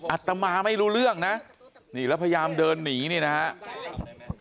อัตมาไม่รู้เรื่องนะนี่แล้วพยายามเดินหนีนี่นะครับ